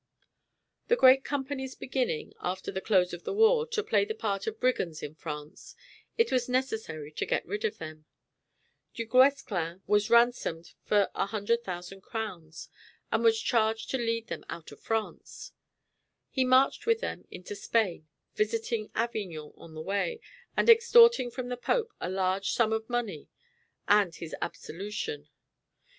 The grand companies beginning, after the close of the war, to play the part of brigands in France, it was necessary to get rid of them. Du Guesclin was ransomed for 100,000 crowns, and was charged to lead them out of France. He marched with them into Spain, visiting Avignon on the way, and extorting from the Pope a large sum of money and his absolution.